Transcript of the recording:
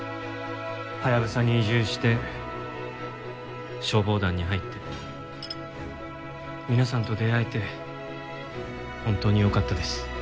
ハヤブサに移住して消防団に入って皆さんと出会えて本当によかったです。